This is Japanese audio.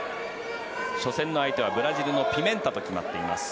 初戦の相手はブラジルのピメンタと決まっています。